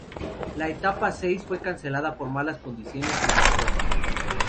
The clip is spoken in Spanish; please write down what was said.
La etapa seis fue cancelada por malas condiciones climatológicas.